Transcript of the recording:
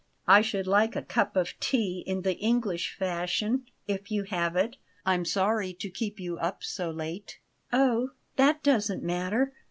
"I should like a cup of tea in the English fashion, if you have it. I'm sorry to keep you up so late." "Oh! that doesn't matter.